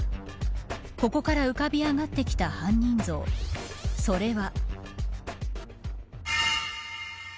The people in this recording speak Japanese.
ここから浮かび上がってきた犯人像それは。